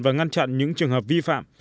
và ngăn chặn những trường hợp vi phạm